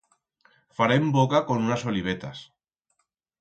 Farem boca con unas olivetas.